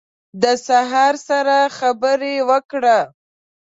د سهار سره خبرې وکړه